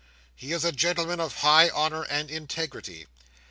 He is a gentleman of high honour and integrity.